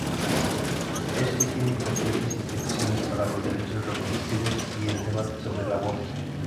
Esto tiene importantes implicaciones para los derechos reproductivos y el debate sobre el aborto.